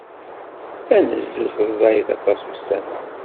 Tanezzut ẓẓayet aṭas ussan-a.